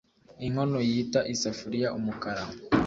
inkono yita isafuriya umukara.